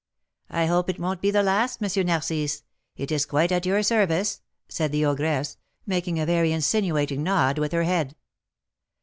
"I hope it won't be the last, M. Narcisse; it is quite at your service," said the ogress, making a very insinuating nod with her head.